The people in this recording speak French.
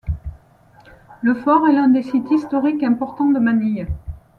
Le fort est l'un des sites historiques importants de Manille.